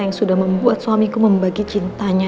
yang sudah membuat suamiku membagi cintanya